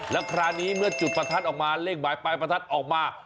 แล้วคราวนี้เมื่อจุดปรากฏออกมาเลขหมายความสามารถปรากฏออกมา